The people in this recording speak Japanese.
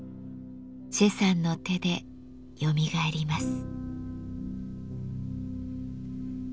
崔さんの手でよみがえります。